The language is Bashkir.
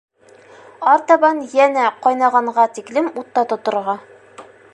Артабан йәнә ҡайнағанға тиклем утта тоторға.